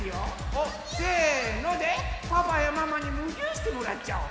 「せの！」でパパやママにムギューしてもらっちゃおう！